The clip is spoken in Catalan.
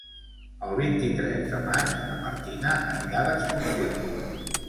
El vint-i-tres de maig na Martina anirà d'excursió.